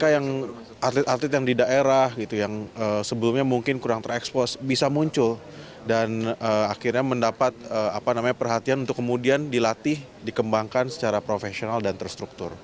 mereka yang atlet atlet yang di daerah yang sebelumnya mungkin kurang terekspos bisa muncul dan akhirnya mendapat perhatian untuk kemudian dilatih dikembangkan secara profesional dan terstruktur